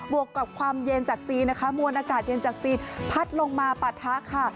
วกกับความเย็นจากจีนนะคะมวลอากาศเย็นจากจีนพัดลงมาปะทะค่ะ